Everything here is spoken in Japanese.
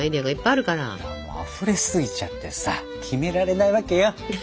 あふれすぎちゃってさ決められないわけよ。